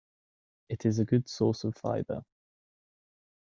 It is a good source of fiber.